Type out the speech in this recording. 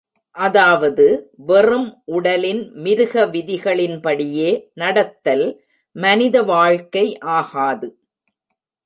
அதாவது, வெறும் உடலின் மிருக விதிகளின்படியே நடத்தல் மனித வாழ்க்கை ஆகாது.